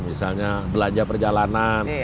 misalnya belanja perjalanan